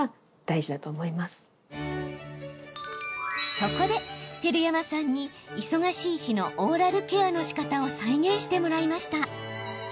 そこで照山さんに、忙しい日のオーラルケアのしかたを再現してもらいました。